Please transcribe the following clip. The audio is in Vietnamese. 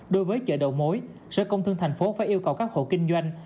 đối với chợ đầu mối sở công thương thành phố phải yêu cầu các hộ kinh doanh